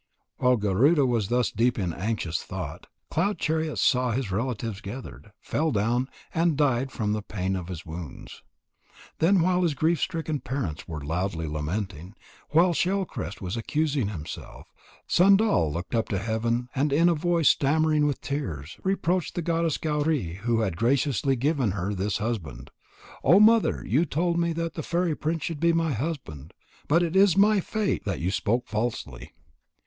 While Garuda was thus deep in anxious thought, Cloud chariot saw his relatives gathered, fell down, and died from the pain of his wounds. Then, while his grief stricken parents were loudly lamenting, while Shell crest was accusing himself, Sandal looked up to heaven and, in a voice stammering with tears, reproached the goddess Gauri who had graciously given her this husband: "Oh, Mother! You told me that the fairy prince should be my husband, but it is my fate that you spoke falsely."